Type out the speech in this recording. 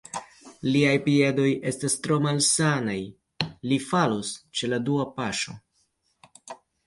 Liaj piedoj estas tro malsanaj: li falus ĉe la dua paŝo.